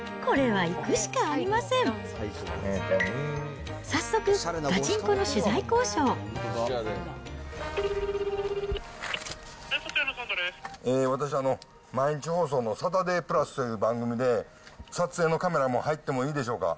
はい、私、毎日放送のサタデープラスという番組で、撮影のカメラも入ってもいいでしょうか。